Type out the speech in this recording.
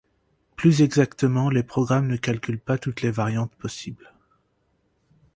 Plus exactement les programmes ne calculent pas toutes les variantes possibles.